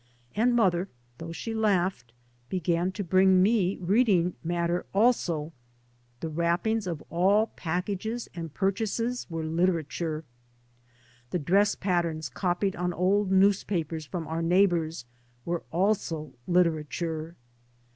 And mother, though she laughed, began to bring me reading matter also: the wrappings of alt packages and purchases were literature; the dress patterns copied on old newspapers from our neighbours were also literature.